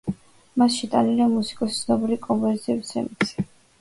მასში შეტანილია მუსიკოსის ცნობილი კომპოზიციების რემიქსები.